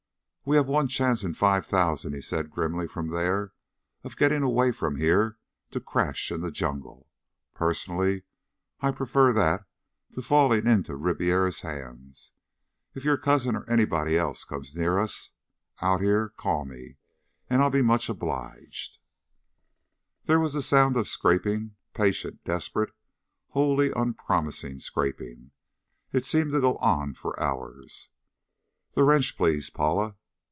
"We have one chance in five thousand," he said grimly from there, "of getting away from here to crash in the jungle. Personally, I prefer that to falling into Ribiera's hands. If your cousin or anybody else comes near us, out here, call me, and I'll be much obliged." There was the sound of scraping, patient, desperate, wholly unpromising scraping. It seemed to go on for hours. "The wrench, please, Paula."